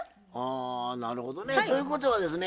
あなるほどね。ということはですね